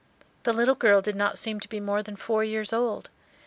The little girl did not seem to be more than four years old.